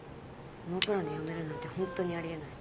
ノープランで辞めるなんて本当にありえない。